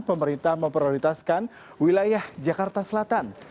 pemerintah memprioritaskan wilayah jakarta selatan